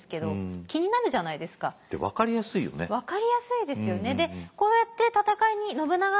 分かりやすいですよね。